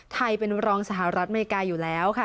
ไทยเป็นรองสหรัฐอเมริกาอยู่แล้วค่ะ